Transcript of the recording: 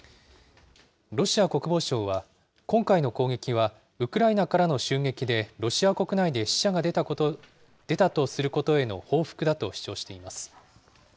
ロシア国防省は、今回の攻撃はウクライナからの襲撃でロシア国内で死者が出たとすることへの報復だと主張しています。